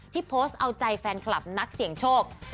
โพสต์เอาใจแฟนคลับนักเสี่ยงโชค